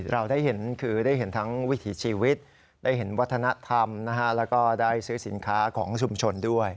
เราได้เห็นคือได้เห็นทั้งวิถีชีวิตได้เห็นวัฒนธรรมแล้วก็ได้ซื้อสินค้าของชุมชนด้วย